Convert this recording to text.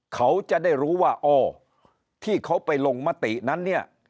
เขาจะได้รู้ว่าอ๋อที่เขาไปลงมตินั้นเนี่ย